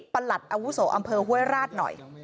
หลัดอาวุโสอำเภอห้วยราชหน่อย